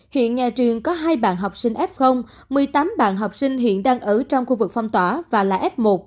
hiện nhà trường có hai bạn học sinh f một mươi tám bạn học sinh hiện đang ở trong khu vực phong tỏa và là f một